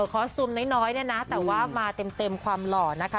คอสตูมน้อยเนี่ยนะแต่ว่ามาเต็มความหล่อนะคะ